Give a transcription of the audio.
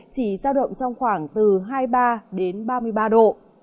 chỉ giao động trong khoảng từ hai mươi ba đến ba mươi ba độ